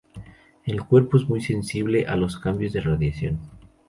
El cuerpo es muy sensible a los cambios de radiación.